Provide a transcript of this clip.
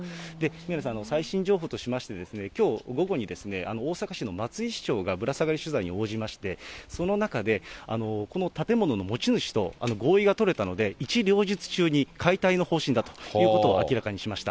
宮根さん、最新情報としまして、きょう午後に大阪市の松井市長がぶら下がり取材に応じまして、その中で、この建物の持ち主と合意が取れたので、一両日中に解体の方針だということを明らかにしました。